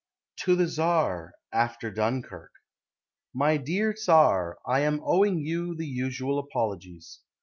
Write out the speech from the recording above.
TO THE TSAR (After Dunkirk) My dear Tsar, I am owing you The usual apologies.